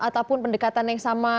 ataupun pendekatan yang sama